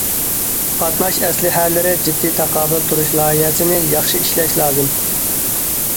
قاتناش ئەسلىھەلىرى جىددىي تاقابىل تۇرۇش لايىھەسىنى ياخشى ئىشلەش لازىم.